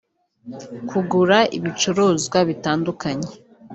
kugura ibicuruzwa bitandukanye